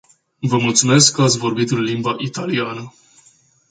Vă mulțumesc că ați vorbit în limba italiană.